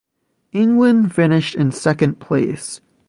England finished in second place.